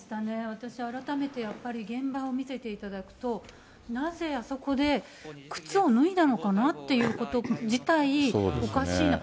私、改めてやっぱり、現場を見せていただくと、なぜあそこで靴を脱いだのかなっていうこと自体、おかしいな。